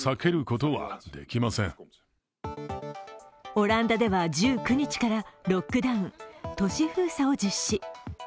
オランダでは１９日からロックダウン＝都市封鎖を実施。